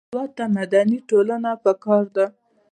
هېواد ته مدني ټولنه پکار ده